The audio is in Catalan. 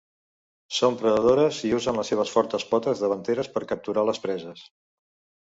Són predadores i usen les seves fortes potes davanteres per capturar les preses.